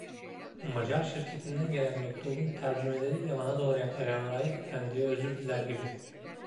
Macar şirketinden gelen mektubun tercümeleriyle bana doğru yaklaşan Raif efendiye özür diler gibi.